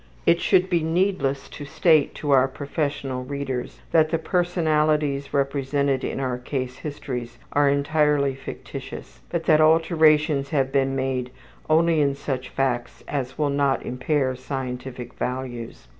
It should be needless to state to our professional readers that the personalities represented in our case histories are entirely fictitious, but that alterations have been made only in such facts as will not impair scientific values.